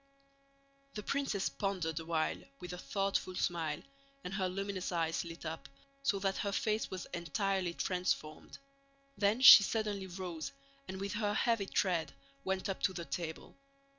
The princess pondered awhile with a thoughtful smile and her luminous eyes lit up so that her face was entirely transformed. Then she suddenly rose and with her heavy tread went up to the table.